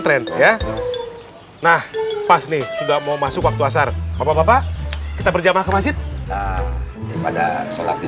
tren ya nah pas nih sudah mau masuk waktu hasar apa apa kita berjamaah ke masjid pada sholat di